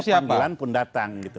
dan setiap panggilan pun datang